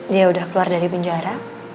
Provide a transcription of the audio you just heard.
dia udah keluar dari penjara